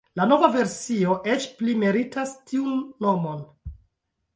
La nova versio eĉ pli meritas tiun nomon.